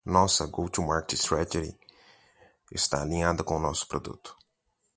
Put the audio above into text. Nossa go-to-market strategy está alinhada com nosso produto.